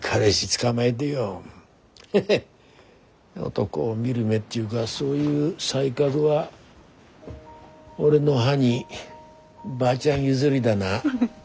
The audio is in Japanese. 男を見る目っていうかそういう才覚は俺のハニーばあちゃん譲りだな。